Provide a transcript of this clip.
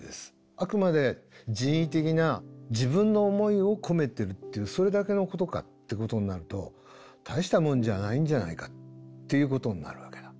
あくまで人為的な自分の思いを込めてるっていうそれだけのことかってことになると大したもんじゃないんじゃないかっていうことになるわけだ。